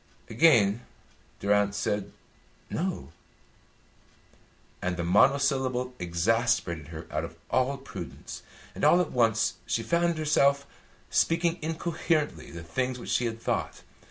Again Durrance said "No," and the monosyllable exasperated her out of all prudence, and all at once she found herself speaking incoherently the things which she had thought.